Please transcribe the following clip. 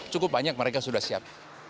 cukup banyak mereka sudah siap